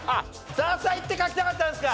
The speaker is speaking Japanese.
ザーサイって書きたかったんですか？